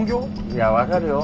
いや分かるよ。